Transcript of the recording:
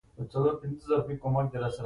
د احمد غاښونه يې ور واېستل